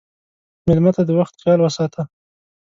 مېلمه ته د وخت خیال وساته.